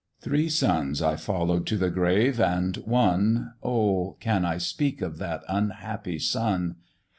"Three sons I follow'd to the grave, and one Oh! can I speak of that unhappy son?